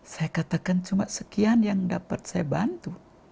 saya katakan cuma sekian yang dapat saya bantu